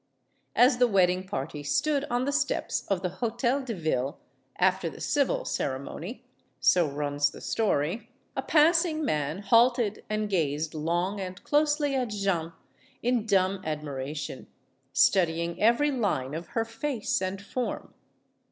As the wedding party stood on the steps of the Ho tel de Ville, after the "civil ceremony" so runs the story a passing man halted and gazed long and closely at Jeanne, in dumb admiration, studying every line of her face and form.